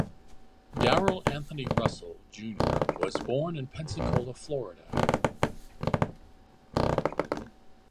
Darrell Anthony Russell, Junior was born in Pensacola, Florida.